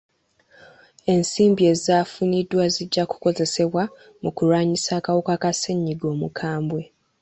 Ensimbi ezaafuniddwa zijja kukozesebwa mu kulwanyisa akawuuka ka ssenyigga omukambwe.